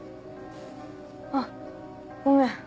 あっごめん。